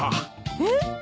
えっ？